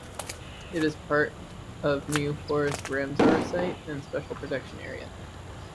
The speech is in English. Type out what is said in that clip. It is part of New Forest Ramsar site and Special Protection Area.